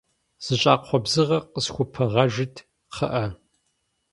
Зы щӏакхъуэ бзыгъэ къысхупыгъэжыт, кхъыӏэ.